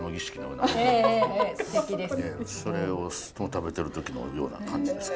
それを食べてる時のような感じがしてね。